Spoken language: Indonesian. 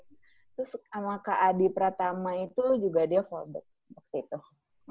terus sama kak adi pratama itu juga dia fallback